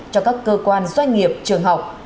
cho các cơ quan doanh nghiệp trường học